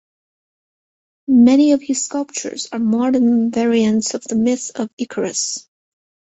Many of his sculptures are modern variants of the myth of Icarus.